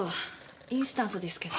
インスタントですけど。